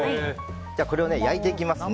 これを焼いていきますね。